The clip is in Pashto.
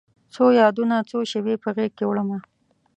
څو یادونه، څو شیبې په غیږکې وړمه